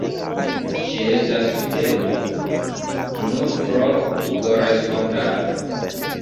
Ŝi estas videbla nur pro korespondado.